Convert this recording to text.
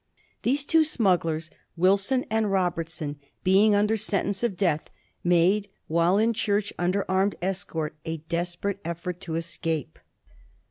These two smugglers, Wilson and Robertson, be ing under sentence of death, made, while in church under armed escort, a desperate effort to escape.